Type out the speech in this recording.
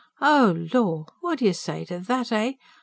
Oh lor! What do you say to that, eh?